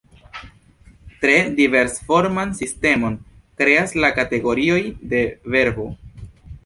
Tre diversforman sistemon kreas la kategorioj de verbo.